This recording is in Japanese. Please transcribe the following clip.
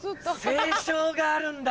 斉唱があるんだ。